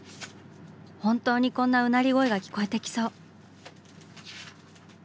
本当にこんなうなり声が聞こえてきそう！